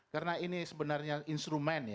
karena ini sebenarnya instrumen ya